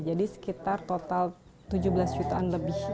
jadi sekitar total tujuh belas jutaan lebih